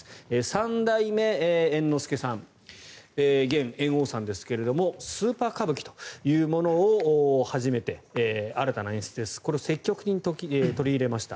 ３代目猿之助さん現、猿翁さんですがスーパー歌舞伎というものを始めて新たな演出を積極的に取り入れました。